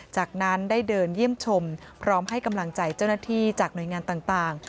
จากนั้นได้เดินเยี่ยมชมพร้อมให้กำลังใจเจ้าหน้าที่จากหน่วยงานต่าง